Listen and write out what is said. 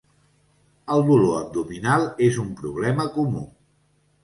El dolor abdominal és un problema comú.